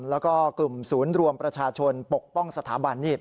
แล้วก็กลุ่มศูนย์รวมประชาชนปกป้องสถาบันนี่